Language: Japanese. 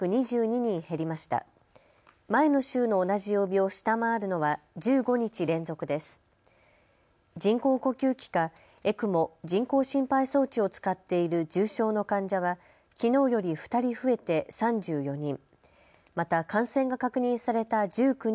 人工呼吸器かＥＣＭＯ・人工心肺装置を使っている重症の患者はきのうより２人増えて３４人。